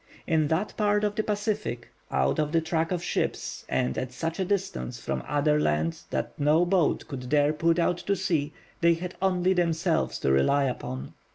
In that part of the Pacific, out of the track of ships, and at such a distance from other land that no boat could dare put out to sea, they had only themselves to rely upon.